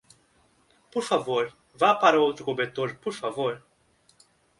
Por favor, vá para outro cobertor, por favor?